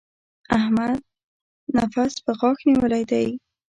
احمد نفس په غاښ نيولی دی.